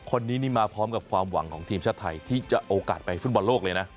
คนนี้นี่มาพร้อมกับความหวังของทีมชาติไทยที่จะโอกาสไปฟุตบอลโลกเลยนะ